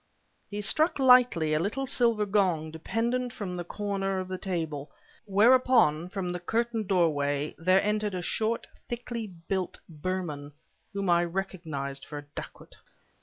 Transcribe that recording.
He struck lightly a little silver gong, dependent from the corner of the table, whereupon, from the curtained doorway, there entered a short, thickly built Burman whom I recognized for a dacoit.